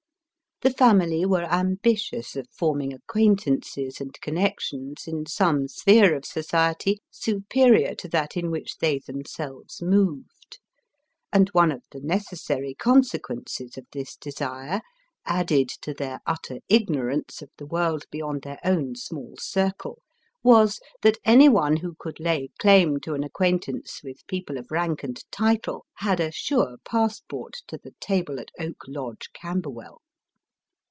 The family were ambitious of forming acquaintances and connections in some sphere of society superior to that in which they themselves moved ; and one of the necessary con sequences of this desire, added to their utter ignorance of the world beyond their own small circle, was, that any one who could lay claim to an acquaintance with people of rank and title, had a sure passport to the table at Oak Lodge, Camberwell.